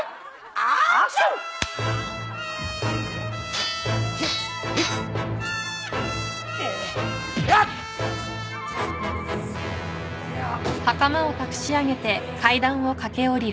ああ！？